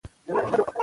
او په ټوله کې د ولس